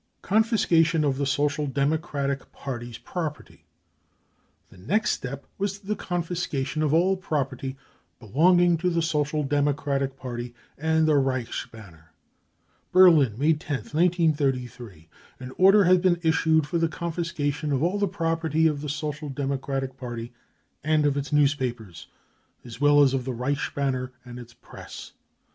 Confiscation of the Social Democratic Party's Property. The next step was the confiscation of all property belonging to the Social Democratic Party and the Reichsbanner :" Berlin, May 10th, 1933. An order has been issued for the confiscation of all the property of the Social Democratic Party and of its newspapers, as well as of the Reichs banner and its Press.